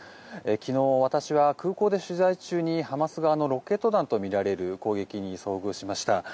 昨日、私は空港で取材中にハマス側のロケット弾とみられる攻撃に遭遇しました。